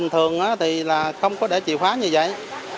thường thì là không có để chìa khóa như vậy